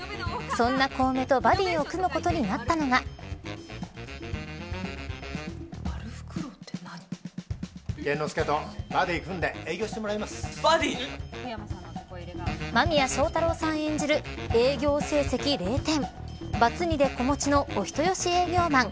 そんな小梅とバディを組むことになったのが玄之介とバディを組んで営業し間宮祥太朗さん演じる営業成績０点バツ２で子持ちのお人よし営業マン